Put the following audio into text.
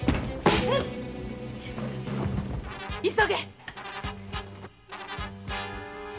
急げ！